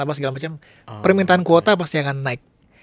apa segala macam permintaan kuota pasti akan naik